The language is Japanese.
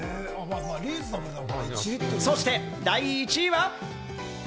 そして第１位は。